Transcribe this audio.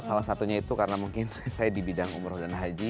salah satunya itu karena mungkin saya di bidang umroh dan haji